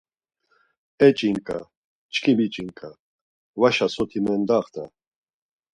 E ç̌inǩa, çkimi ç̌inǩa, vaşa soti mendaxta!